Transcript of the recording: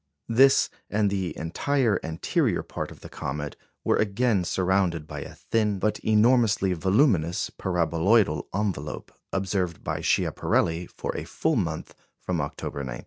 This, and the entire anterior part of the comet, were again surrounded by a thin, but enormously voluminous paraboloidal envelope, observed by Schiaparelli for a full month from October 19.